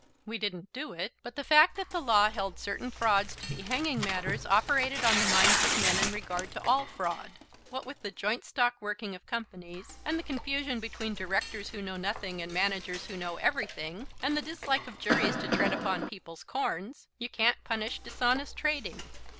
"We didn't do it, but the fact that the law held certain frauds to be hanging matters operated on the minds of men in regard to all fraud. What with the joint stock working of companies, and the confusion between directors who know nothing and managers who know everything, and the dislike of juries to tread upon people's corns, you can't punish dishonest trading.